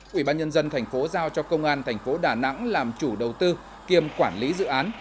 quỹ ban nhân dân tp giao cho công an tp đà nẵng làm chủ đầu tư kiêm quản lý dự án